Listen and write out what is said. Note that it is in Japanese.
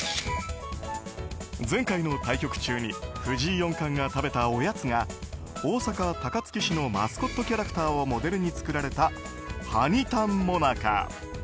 前回の対局中に藤井四冠が食べたおやつが大阪・高槻市のマスコットキャラクターをモデルに作られた、はにたん最中。